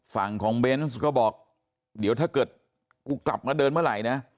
ฝั่งของเบนส์ก็บอกเดี๋ยวถ้าเกิดกูกลับมาเดินเมื่อไหร่นะ